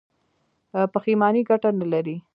پښیماني ګټه نلري.